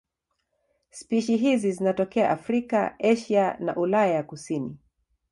Spishi hizi zinatokea Afrika, Asia na Ulaya ya kusini.